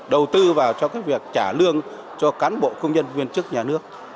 đầu tư vào cho việc trả lương cho cán bộ công nhân viên chức nhà nước